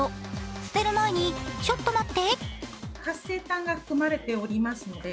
捨てる前にちょっと待って。